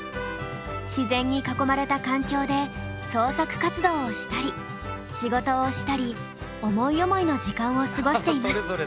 自然に囲まれた環境で創作活動をしたり仕事をしたり思い思いの時間を過ごしています。